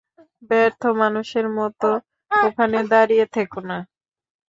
ব্যর্থ মানুষের মত ওখানে দাঁড়িয়ে থেকো না!